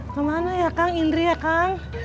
ke mana ya kang indri ya kang